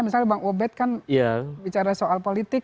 misalnya bang obed kan bicara soal politik